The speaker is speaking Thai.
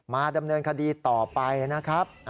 มาดำเนินคดีต่อไปนะครับ